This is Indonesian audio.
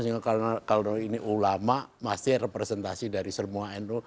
sehingga kalau ini ulama pasti representasi dari semua nu